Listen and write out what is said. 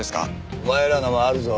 お前らのもあるぞ。